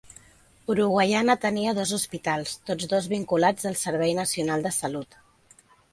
Uruguaiana tenia dos hospitals, tots dos vinculats al servei nacional de salut.